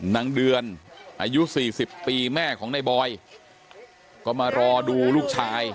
นางเดือนอายุ๔๐ปีแม่ของในบอยก็มารอดูลูกชาย